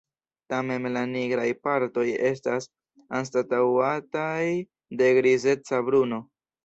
Tamen la nigraj partoj estas anstataŭataj de grizeca bruno.